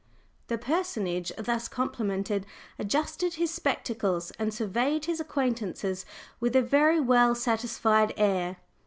The personage thus complimented adjusted his spectacles and surveyed his acquaintances with a very well satisfied air.